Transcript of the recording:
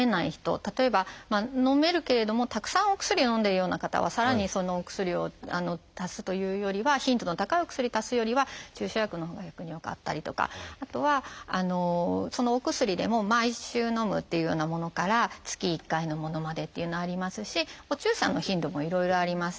例えばのめるけれどもたくさんお薬をのんでいるような方はさらにお薬を足すというよりは頻度の高いお薬足すよりは注射薬のほうが逆に良かったりとかあとはお薬でも毎週のむっていうようなものから月１回のものまでっていうのありますしお注射の頻度もいろいろあります。